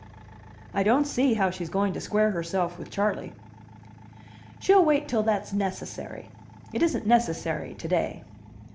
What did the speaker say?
I don't see how she's going to square herself with Charley." "She'll wait till that's necessary. It isn't necessary to day."